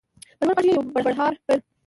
په لوړ غږ یې یو بړهار پیل کړ.